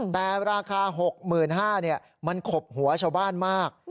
แต่ราคาหกหมื่นห้าเนี่ยมันขบหัวชาวบ้านมาก